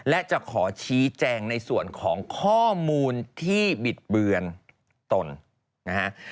และจะขอชี้แจงในส่วนของข้อมูลที่บิดเบือนตนนะฮะ